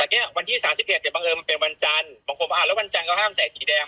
เนี่ยวันที่๓๑เนี่ยบังเอิญมันเป็นวันจันทร์บางคนอ่านแล้ววันจันทร์ก็ห้ามใส่สีแดง